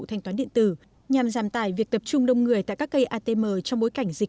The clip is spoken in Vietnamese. thanh toán điện tử nhằm giảm tải việc tập trung đông người tại các cây atm trong bối cảnh dịch